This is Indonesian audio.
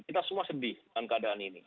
kita semua sedih dengan keadaan ini